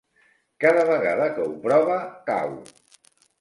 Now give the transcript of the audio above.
Cada vegada que ho prova cau.